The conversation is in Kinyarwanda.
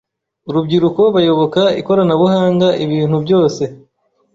urubyiruko bayoboka ikoranabuhanga ibintu byose